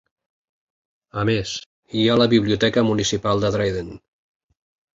A més, hi ha la Biblioteca municipal de Dryden.